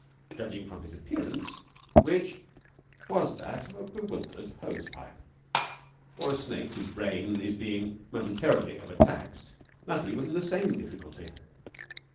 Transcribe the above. Judging from his appearance, which was that of a bewildered hosepipe or a snake whose brain is being momentarily overtaxed, Nutty was in the same difficulty.